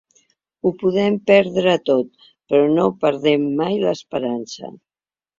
Ho podem perdre tot, però no perdem mai l’esperança.